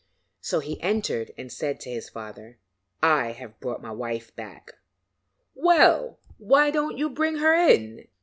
So he entered and said to his father: 'I have brought my wife back.' 'Well, why don't you bring her in?'